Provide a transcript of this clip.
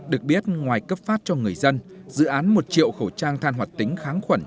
được biết ngoài cấp phát cho người dân dự án một triệu khẩu trang than hoạt tính kháng khuẩn